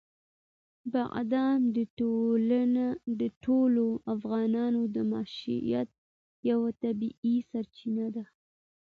بادام د ټولو افغانانو د معیشت یوه طبیعي سرچینه ده.